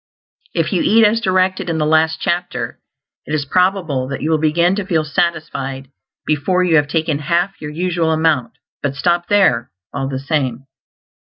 If you eat as directed in the last chapter, it is probable that you will begin to feel satisfied before you have taken half your usual amount; but stop there, all the same.